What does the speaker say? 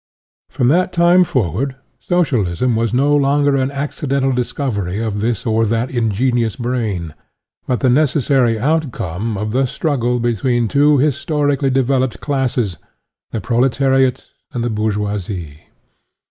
From that time forward Socialism was no longer an accidental discovery of this or that ingenious brain, but the necessary out come of the struggle between two histor \/ ically developed classes the proletariat and the bourgeoisie.